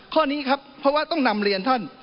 ข้อนี้ครับเพราะว่าต้องนำเรียนท่าน